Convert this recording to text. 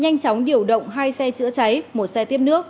nhanh chóng điều động hai xe chữa cháy một xe tiếp nước